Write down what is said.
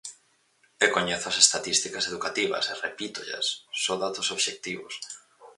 E coñezo as estatísticas educativas, e repítollas, só datos obxectivos.